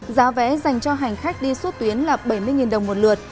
giá vé dành cho hành khách đi suốt tuyến là bảy mươi đồng một lượt